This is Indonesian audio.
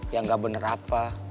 yang gak bener apa